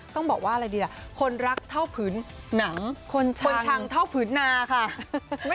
ต้องบอกว่าอะไรดีล่ะคนรักเท่าผืนหนังคนชังเท่าผืนนาค่ะ